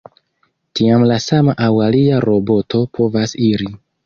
Tiam la sama aŭ alia roboto povas iri.